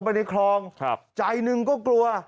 ใครเจอกินในคลองใจหนึ่งก็กลัว